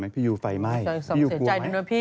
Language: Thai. พี่ยูไฟไหม้พี่ยูกลัวไหม